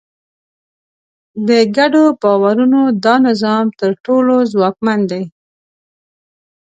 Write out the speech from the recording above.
د ګډو باورونو دا نظام تر ټولو ځواکمن دی.